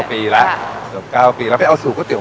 มีวันหยุดเอ่ออาทิตย์ที่สองของเดือนค่ะ